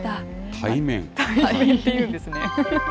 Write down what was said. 対面っていうんですね。